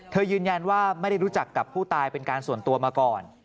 ยืนยันว่าไม่ได้รู้จักกับผู้ตายเป็นการส่วนตัวมาก่อน